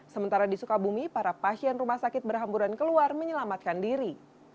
sementara di sukabumi para pasien rumah sakit berhamburan keluar menyelamatkan diri